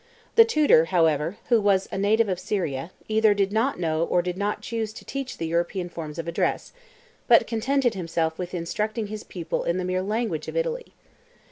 The tutor, however, who was a native of Syria, either did not know or did not choose to teach the European forms of address, but contented himself with instructing his pupil in the mere language of Italy.